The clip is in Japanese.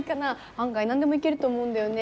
案外何でもいけると思うんだよね。